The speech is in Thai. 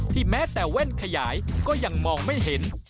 แม้แต่แว่นขยายก็ยังมองไม่เห็น